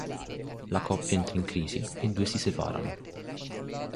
La coppia entra in crisi e i due si separano.